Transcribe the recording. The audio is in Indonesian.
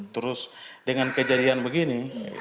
terus dengan kejadian begini